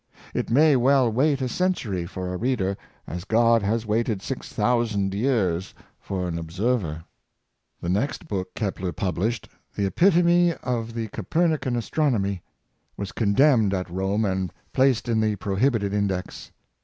It may well wait a century for a reader, as God has waited six thousand years for an observer." The next book Kepler published, " The Epitome of the Copernican Astronomy," was condemned at Rome and placed in the prohibited Index.